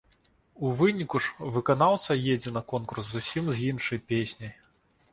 У выніку ж выканаўца едзе на конкурс зусім з іншай песняй.